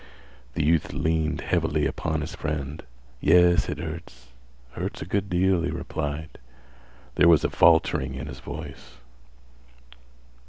The youth leaned heavily upon his friend. "Yes, it hurts—hurts a good deal," he replied. There was a faltering in his voice.